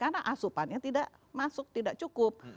karena asupannya tidak masuk tidak cukup